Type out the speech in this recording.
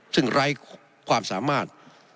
ซึ่งไร้ความสามารถ